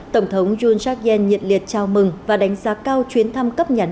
tổng thống yoon seok yen nhiệt liệt chào mừng và đánh giá cao chuyến thăm cấp nhà nước